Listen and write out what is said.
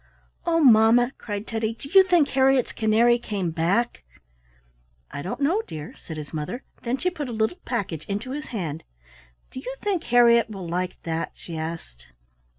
"Oh, Mamma!" cried Teddy, "do you think Harriett's canary came back? "I don't know, dear," said his mother. Then she put a little package into his hand. "Do you think Harriett will like that?" she asked.